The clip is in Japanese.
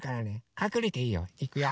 かくれていいよ。いくよ。